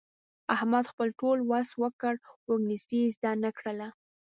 احمد خپل ټول وس وکړ، خو انګلیسي یې زده نه کړله.